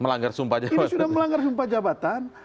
ini sudah melanggar sumpah jabatan